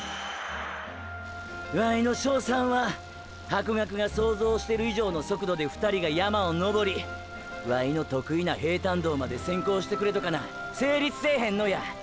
ワイの勝算はハコガクが想像してる以上の速度で２人が山を登りワイの得意な平坦道まで先行してくれとかな成立せーへんのや！！